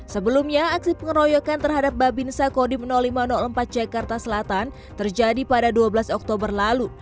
sebelumnya aksi pengeroyokan terhadap babinsa kodim lima ratus empat jakarta selatan terjadi pada dua belas oktober lalu